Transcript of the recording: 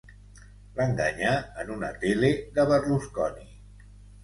L'enganyà en una tele de Berlusconi.